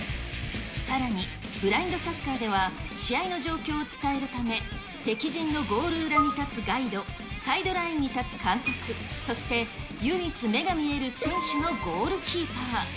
さらに、ブラインドサッカーでは試合の状況を伝えるため、敵陣のゴール裏に立つガイド、サイドラインに立つ監督、そして唯一、目が見える選手のゴールキーパー。